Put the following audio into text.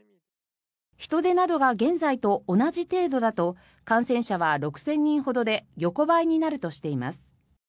人出などが現在と同じ程度だと感染者は６０００人ほどで横ばいになるとしています。